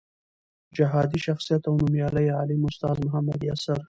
جهادي شخصیت او نومیالی عالم استاد محمد یاسر